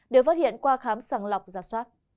đều phát hiện qua khám sẵn lọc giả soát